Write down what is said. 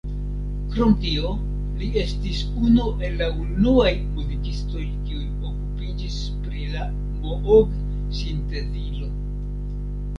Krom tio li estis unu el la unuaj muzikistoj, kiuj okupiĝis pri la Moog-sintezilo.